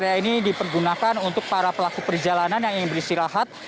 area ini dipergunakan untuk para pelaku perjalanan yang ingin beristirahat